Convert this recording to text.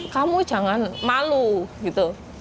kamu jangan malu gitu